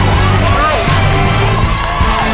สวัสดีครับ